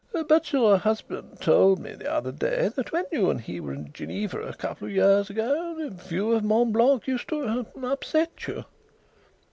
"But your husband told me the other day that when you and he were in Geneva a couple of years ago, the view of Mont Blanc used to er upset you."